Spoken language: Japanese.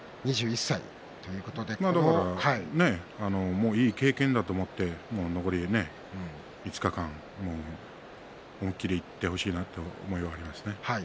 もう、いい経験だと思って残り５日間思い切りいってほしいなって思いますね。